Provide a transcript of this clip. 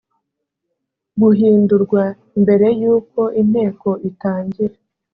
guhindurwa mbere y uko inteko itangira